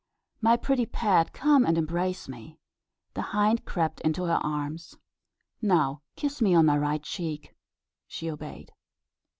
My pretty pet, come and embrace me." The hind crept into her arms. "Now kiss me on my right cheek." She obeyed.